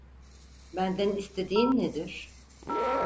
Benden istediğin nedir?